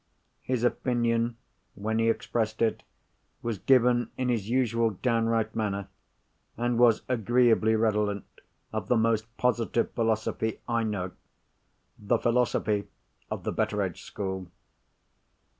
His opinion, when he expressed it, was given in his usual downright manner, and was agreeably redolent of the most positive philosophy I know—the philosophy of the Betteredge school.